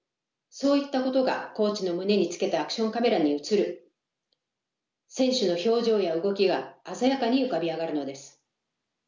そういったことがコーチの胸につけたアクションカメラに映る選手の表情や動きが鮮やかに浮かび上がるのです。